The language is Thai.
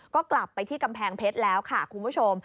ก็กลับไปที่กำแพงเพชรแล้วค่ะคุณผู้ชม